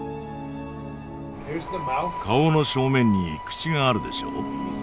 顔の正面に口があるでしょう。